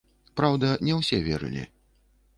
Праўда, не ўсе верылі.